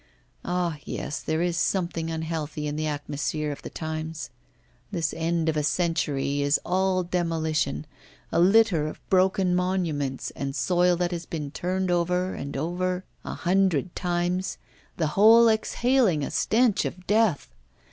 Ah! yes, there is something unhealthy in the atmosphere of the times this end of a century is all demolition, a litter of broken monuments, and soil that has been turned over and over a hundred times, the whole exhaling a stench of death!